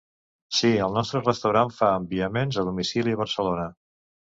Si, el nostre restaurant fa enviaments a domicili a Barcelona.